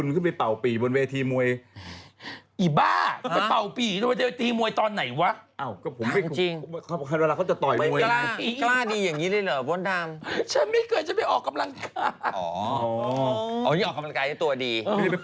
เวลาที่เขาจะขึ้นชบก็ต้องมีเป่าปี่อะไรอย่างนี้